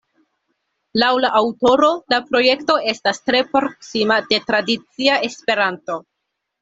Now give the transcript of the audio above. Laŭ la aŭtoro, la projekto estas tre proksima de tradicia Esperanto.